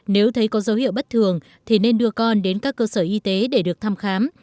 nếu thấy có dấu hiệu bất thường thì nên đưa con đến các cơ sở y tế để được thăm khám